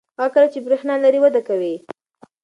هغه کلی چې برېښنا لري وده کوي.